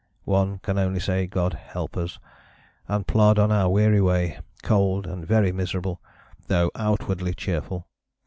One can only say 'God help us!' and plod on our weary way, cold and very miserable, though outwardly cheerful.